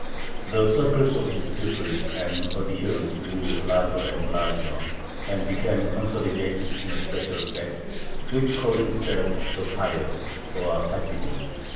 The circle of his pupils and adherents grew larger and larger, and became consolidated in a special sect, which called itself "the Pious," or Hasidim.